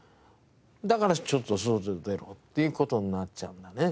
だから「ちょっと外出ろ」っていう事になっちゃうんだね。